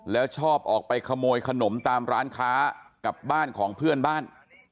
แล้วชอบออกไปขโมยขนมตามร้านค้ากับบ้านของเพื่อนบ้าน